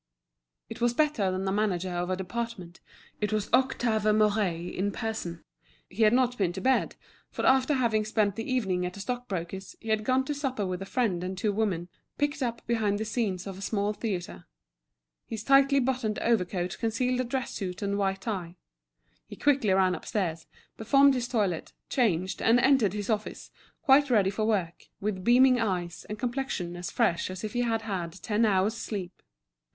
It was better than a manager of a department, it was Octave Mouret in person. He had not been to bed, for after having spent the evening at a stockbroker's, he had gone to supper with a friend and two women, picked up behind the scenes of a small theatre. His tightly buttoned overcoat concealed a dress suit and white tie. He quickly ran upstairs, performed his toilet, changed, and entered his office, quite ready for work, with beaming eyes, and complexion as fresh as if he had had ten hours' sleep.